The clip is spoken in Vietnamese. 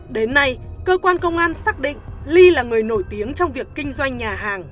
đến nay cơ quan công an xác định ly là người nổi tiếng trong việc kinh doanh nhà hàng